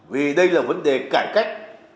vì đây là vấn đề cải cách